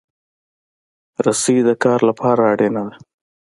رسۍ د کار لپاره اړینه ده.